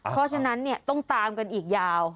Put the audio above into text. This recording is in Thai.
เพราะฉะนั้นต้องตามกันอีกยาว